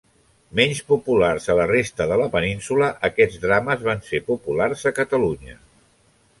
Menys populars a la resta de la península, aquests drames van ser populars a Catalunya.